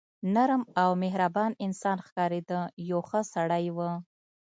نرم او مهربان انسان ښکارېده، یو ښه سړی و.